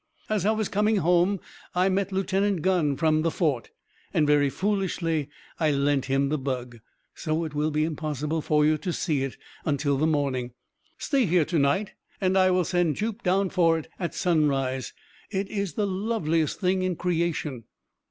As I was coming home I met Lieutenant G , from the fort, and, very foolishly, I lent him the bug; so it will be impossible for you to see it until the morning. Stay here to night, and I will send Jup down for it at sunrise. It is the loveliest thing in creation!"